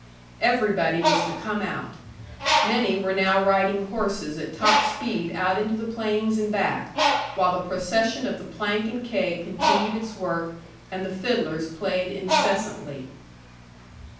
Everybody was to come out. Many were now riding horses at top speed out into the plains and back, while the procession of the plank and keg continued its work, and the fiddlers played incessantly.